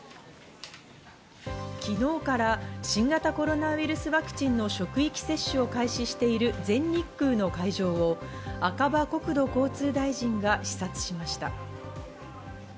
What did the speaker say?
昨日から新型コロナウイルスワクチンの職域接種を開始している全日空の会場を赤羽国土交通大臣が視察しました。